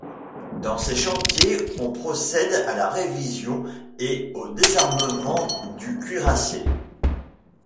Dans ces chantiers, on procède à la révision et au désarmement du cuirassé.